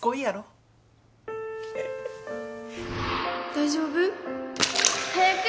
大丈夫？早く！